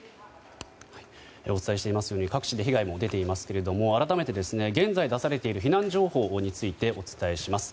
お伝えしていますように各地で被害が出ていますが改めて、現在出されている避難情報をお伝えします。